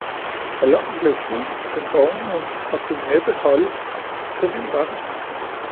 Ballonen blev fyldt, den bovnede og kunne næppe holdes, så vild var den